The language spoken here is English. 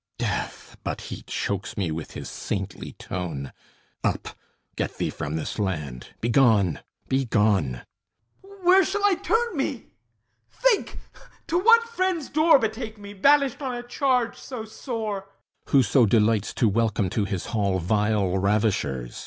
THESEUS Death! but he chokes me with his saintly tone! Up, get thee from this land! Begone! Begone! HIPPOLYTUS Where shall I turn me? Think. To what friend's door Betake me, banished on a charge so sore? THESEUS Whoso delights to welcome to his hall Vile ravishers